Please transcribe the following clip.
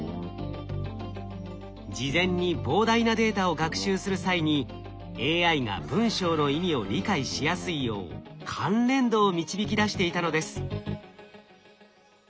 事前に膨大なデータを学習する際にＡＩが文章の意味を理解しやすいよう関連度を導き出していたのです。